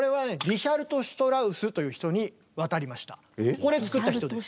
これ作った人です。